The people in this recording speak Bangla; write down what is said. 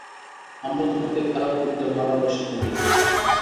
আমরা তোমাকে খারাপ লোকেদের মারার প্রশিক্ষণ দিব।